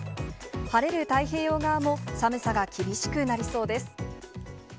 晴れる太平洋側も寒さが厳しくなりそうです。